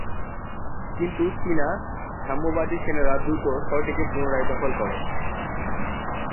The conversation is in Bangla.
কিন্তু চীনা সাম্যবাদী সেনারা দ্রুত শহরটিকে পুনরায় দখল করে।